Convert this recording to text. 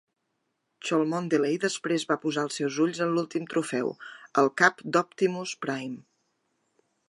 Cholmondeley després va posar els seus ulls en l'últim trofeu, el cap de Optimus Prime.